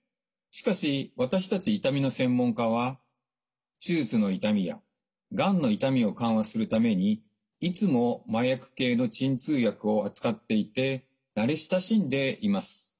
しかし私たち痛みの専門家は手術の痛みやがんの痛みを緩和するためにいつも麻薬系の鎮痛薬を扱っていて慣れ親しんでいます。